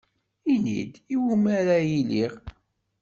Ini-d, iwumi ara iliɣ